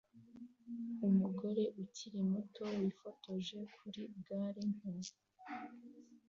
Umugore ukiri muto wifotoje kuri gare nto